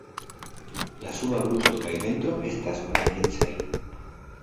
La suba brusto kaj ventro estas oranĝecaj.